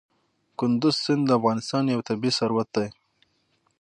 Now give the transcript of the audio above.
کندز سیند د افغانستان یو طبعي ثروت دی.